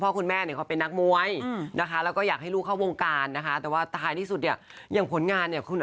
มันอาจจะเป็นประโยคก่อนเข้านอน